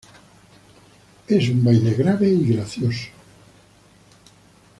Es un baile grave y gracioso.